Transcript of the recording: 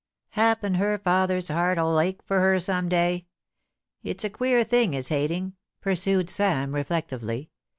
Happen her father's heart 'ull ache for her some day. It's a queer thing is hating,' pursued Sam, reflectively.